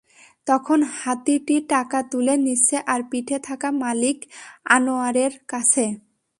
তখন হাতিটি টাকা তুলে দিচ্ছে তার পিঠে থাকা মালিক আনোয়ারের কাছে।